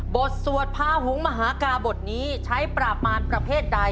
สวดพาหงมหากาบทนี้ใช้ปราบมารประเภทใด